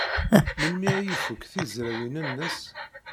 Melmi ay ifuk tizrawin-nnes?